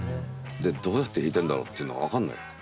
でどうやって弾いてんだろうっていうのが分かんないわけ。